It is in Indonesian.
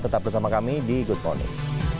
tetap bersama kami di good morning